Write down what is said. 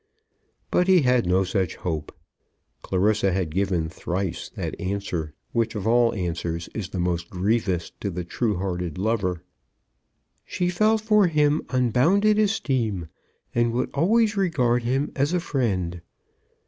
But he had no such hope. Clarissa had given thrice that answer, which of all answers is the most grievous to the true hearted lover. "She felt for him unbounded esteem, and would always regard him as a friend."